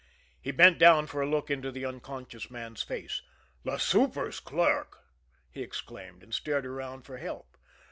He bent down for a look into the unconscious man's face. "The super's clerk!" he exclaimed and stared around for help.